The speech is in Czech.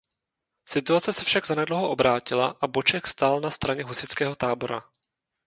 Situace se však zanedlouho obrátila a Boček stál na straně husitského tábora.